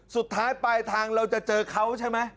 สุดท้ายปลายทางเราจะเจอเขาใช่ไหม